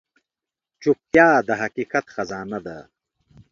چوپتیا، د حقیقت خزانه ده.